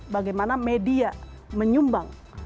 bagaimana media menyumbang